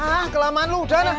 hah kelamaan lu udah neng